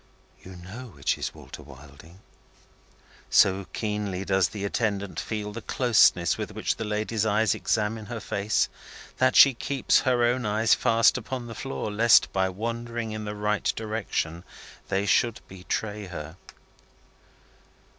"You know which is Walter Wilding?" So keenly does the attendant feel the closeness with which the lady's eyes examine her face, that she keeps her own eyes fast upon the floor, lest by wandering in the right direction they should betray her.